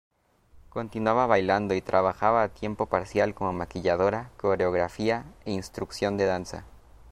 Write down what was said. Continuaba bailando y trabajaba a tiempo parcial como maquilladora, coreografía e instrucción de danza.